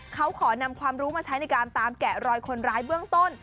เขาขอนำความรู้มาใช้ในการตามแกะรอยคนร้ายเบื้องต้น